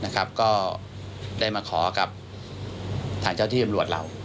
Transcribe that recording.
ก็ได้มาขอกับทางเจ้าที่ตำรวจเรา